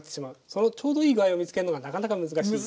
そのちょうどいい具合を見つけるのがなかなか難しい。